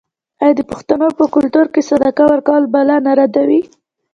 آیا د پښتنو په کلتور کې صدقه ورکول بلا نه ردوي؟